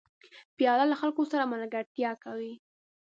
پیاله له خلکو سره ملګرتیا کوي.